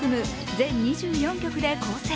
全２４曲で構成。